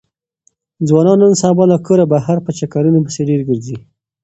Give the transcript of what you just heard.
ځوانان نن سبا له کوره بهر په چکرونو پسې ډېر ګرځي.